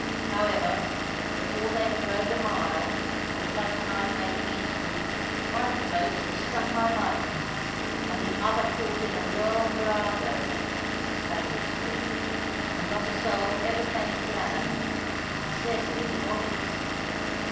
However, before they had rowed a mile, with the flood tide making eastward, one of the boats was struck by lightning, and the other caught in a whirl vorago (as the Spaniards call it), and not a soul ever came to land, and scarcely any bodies.